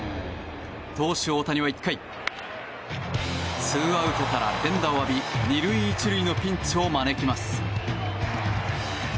投手・大谷は１回ツーアウトから連打を浴び２塁１塁のピンチを招きます。